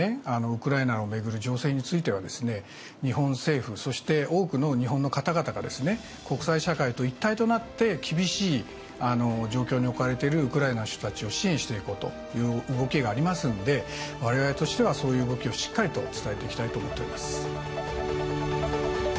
ウクライナを巡る情勢についてはですね日本政府そして多くの日本の方々がですね国際社会と一体となって厳しい状況に置かれてるウクライナの人たちを支援していこうという動きがありますので我々としてはそういう動きをしっかりと伝えていきたいと思っております。